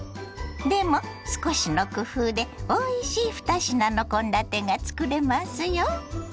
でも少しの工夫でおいしい２品の献立がつくれますよ。